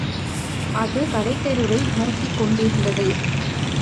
அது கடைத் தெருவை நோக்கிக் கொண்டிருந்தது.